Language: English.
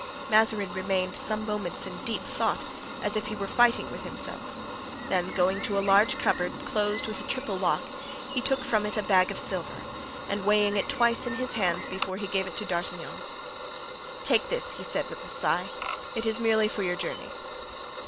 Mazarin remained some moments in deep thought, as if he were fighting with himself; then, going to a large cupboard closed with a triple lock, he took from it a bag of silver, and weighing it twice in his hands before he gave it to D'Artagnan: "Take this," he said with a sigh, "'tis merely for your journey."